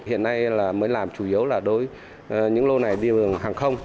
hiện nay mới làm chủ yếu là đối với những lô này đi hàng không